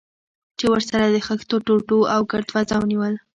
چې ورسره د خښتو ټوټو او ګرد فضا ونیول.